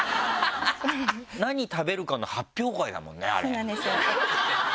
そうなんですよ。